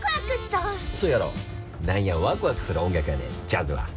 何やワクワクする音楽やねんジャズは。